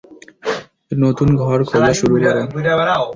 নতুন ঘর খোঁজা শুরু করো।